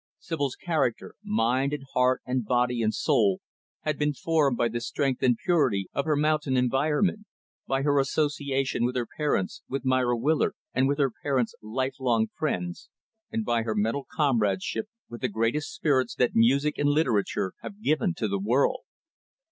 Sibyl's character mind and heart and body and soul had been formed by the strength and purity of her mountain environment; by her association with her parents, with Myra Willard, and with her parents' life long friends; and by her mental comradeship with the greatest spirits that music and literature have given to the world.